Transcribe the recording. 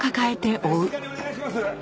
お静かにお願いします。